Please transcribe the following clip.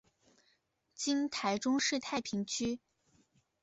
今台中市太平区。